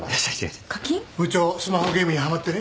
部長スマホゲームにはまってね。